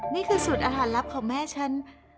นี่คือสูตรอาหารลับของแม่ฉัน